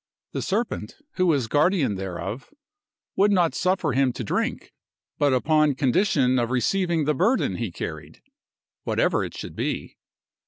The serpent, who was guardian thereof, would not suffer him to drink, but upon condition of receiving the burden he carried, whatever it should be.